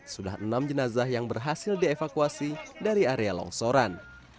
sudah enam jenazah yang berhasil dievakuasi dari area longsoran